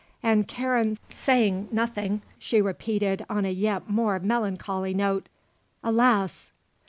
And, Karen saying nothing, she repeated on a yet more melancholy note: "Alas!"